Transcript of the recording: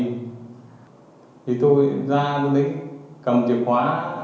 thì tôi ra đứng đấy cầm chìa khóa